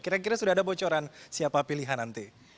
kira kira sudah ada bocoran siapa pilihan nanti